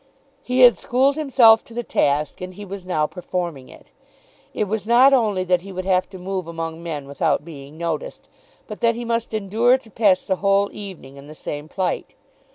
He had schooled himself to the task, and he was now performing it. It was not only that he would have to move among men without being noticed, but that he must endure to pass the whole evening in the same plight.